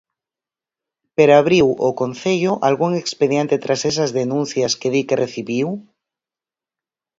Pero abriu o Concello algún expediente tras esas denuncias que di que recibiu?